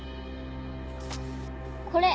これ！